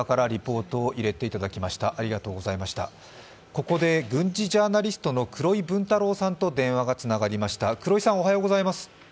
ここで軍事ジャーナリストの黒井文太郎さんと電話がつながりました。